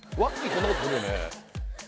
こんなことするよね